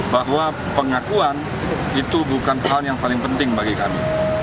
bahwa pengakuan itu bukan hal yang paling penting bagi kami